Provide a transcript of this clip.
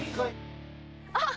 あっ！